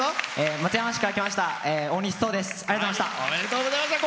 松山市から来ましたおおにしです。